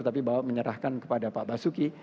tapi bahwa menyerahkan kepada pak basuki